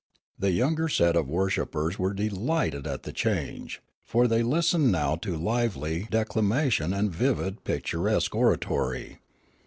The younger set of worshippers were delighted at the change; for they listened now to liveh' declamation and vivid and pic turesque oratory.